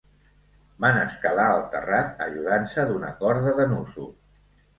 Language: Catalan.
Van escalar el terrat ajudant-se d'una corda de nusos.